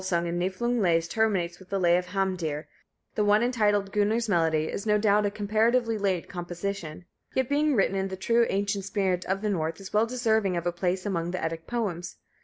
The Eddaic series of the Volsung and Niflung lays terminates with the Lay of Hamdir; the one entitled Gunnar's Melody is no doubt a comparatively late composition; yet being written in the true ancient spirit of the North is well deserving of a place among the Eddaic poems.